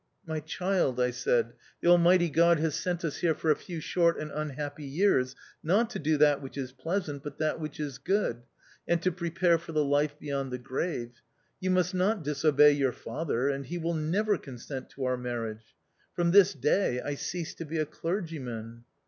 "My child," I said, " the Almighty God THE OUTCAST 125 has sent us here for a few short and unhappy years, not to do that which is pleasant, but that which is good, and to prepare for the life beyond the grave. You must not disobey your father ; and he will never consent to our marriage. From this day I cease to be a clergyman."